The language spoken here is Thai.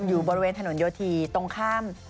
อยู่บริเวณถนนโยธีตรงข้าม